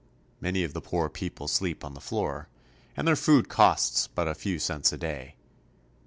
Many of the poor people sleep on the floor, and their food costs but a few cents a day.